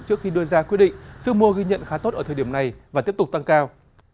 trước khi đưa ra quyết định sức mua ghi nhận khá tốt ở thời điểm này và tiếp tục tăng cao